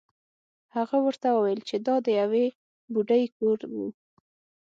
هغه ورته وویل چې دا د یوې بوډۍ کور و.